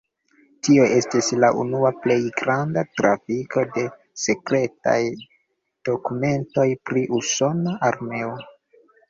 Tio estis la unua plej granda trafiko de sekretaj dokumentoj pri usona armeo.